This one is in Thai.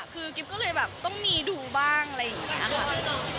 คือกิ๊บก็เลยแบบต้องมีดูบ้างอะไรอย่างนี้ค่ะ